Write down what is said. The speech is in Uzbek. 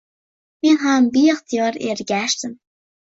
Men ham beixtiyor ergashdim.